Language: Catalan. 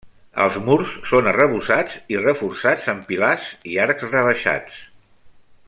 Els murs són arrebossats i reforçats amb pilars i arcs rebaixats.